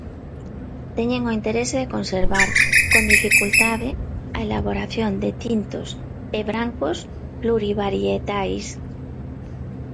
Teñen o interese de conservar, con dificultade, a elaboración de tintos e brancos plurivarietais.